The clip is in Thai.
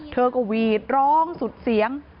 เธอก็หวีดร้องสุดเสียง